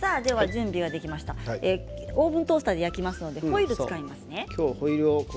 オーブントースターで焼くから今日はホイルを使いますね。